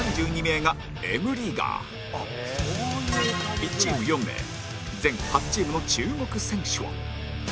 １チーム４名全８チームの注目選手は